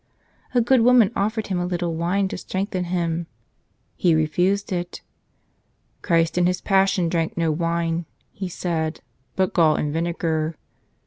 A good woman offered him a little wine to strengthen him. He refused it. "Christ in His Passion drank no wine," he said, "but gall and vinegar."